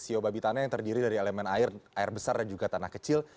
sio babi tanah yang terdiri dari elemen air air besar dan juga tanah kecil